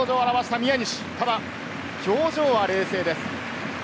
ただ表情は冷静です。